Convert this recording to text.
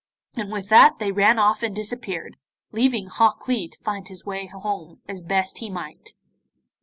And with that they ran off and disappeared, leaving Hok Lee to find his way home as best he might.